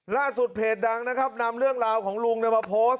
เพจดังนะครับนำเรื่องราวของลุงมาโพสต์